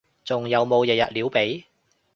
仲有冇日日撩鼻？